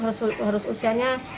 kalau lele harus dipanen